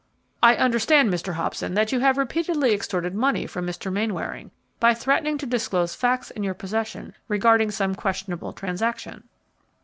"I understand, Mr. Hobson, that you have repeatedly extorted money from Mr. Mainwaring by threatening to disclose facts in your possession regarding some questionable transaction."